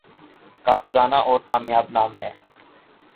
کا پرانا اور کامیاب نام ہے